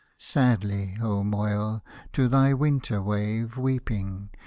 Sadly, O Moyle, to thy winter wave weeping.